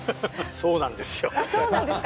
そうなんですか？